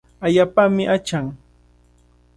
Allaapami achan.